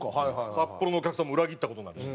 札幌のお客さんも裏切った事になるし。